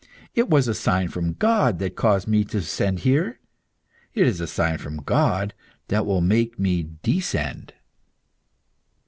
It was a sign from God that caused me to ascend here; it is a sign from God that will make me descend."